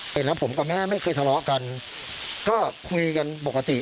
เห็นแล้วผมกับแม่ไม่เคยทะเลาะกันก็คุยกันปกติ